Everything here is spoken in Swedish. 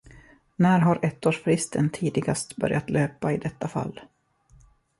När har ettårsfristen tidigast börjat löpa i detta fall?